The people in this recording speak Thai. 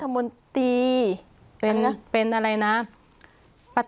เขาอ้างว่าเป็นรัฐมนตรี